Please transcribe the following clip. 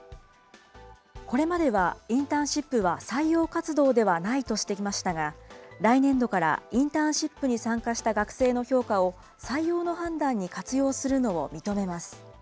これまでは、インターンシップは採用活動ではないとしてきましたが、来年度から、インターンシップに参加した学生の評価を、採用の判断に活用するのを認めます。